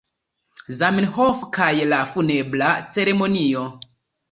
Zamenhof kaj la Funebra Ceremonio.